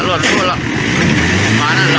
รถมันต่อไปเสียเนอะ